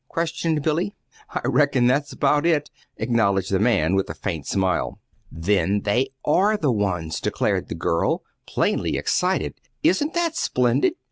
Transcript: questioned Billy. "I reckon that's about it," acknowledged the man, with a faint smile. "Then they are the ones," declared the girl, plainly excited. "Isn't that splendid?